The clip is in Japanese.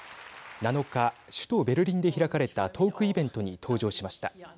７日、首都ベルリンで開かれたトークイベントに登場しました。